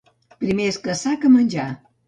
Primer és caçar que menjar.